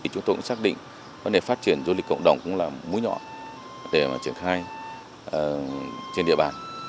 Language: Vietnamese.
chúng tôi cũng xác định vấn đề phát triển du lịch cộng đồng cũng là múi nhỏ để mà triển khai trên địa bàn